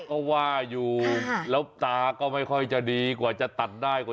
ก็ว่าอยู่แล้วตาก็ไม่ค่อยจะดีกว่าจะตัดได้กว่า